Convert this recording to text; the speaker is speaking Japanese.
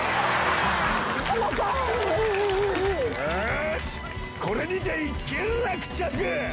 よしこれにて一件落着。